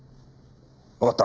わかった。